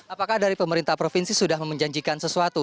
apakah dari pemerintah provinsi sudah menjanjikan sesuatu